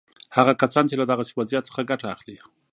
هغه کسان چې له دغسې وضعیت څخه ګټه اخلي.